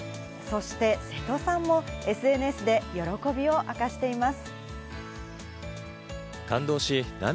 そして瀬戸さんもＳＮＳで喜びを明かしています。